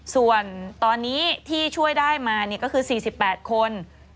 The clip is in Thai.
ส่วนตอนนี้ที่ช่วยได้มาก็คือ๔๘คน